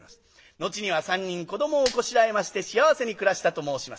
後には３人子どもをこしらえまして幸せに暮らしたと申します。